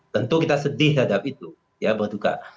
tentu kita sedih hadap itu ya berduka